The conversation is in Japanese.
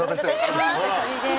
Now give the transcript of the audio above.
お久しぶりです。